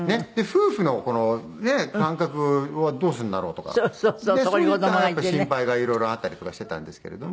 夫婦のこのね間隔はどうするんだろう？とかそういった心配がいろいろあったりとかしてたんですけれども。